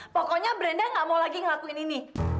pokoknya brenda gak mau lagi ngelakuin ini